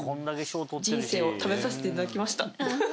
人生を食べさせていただきました。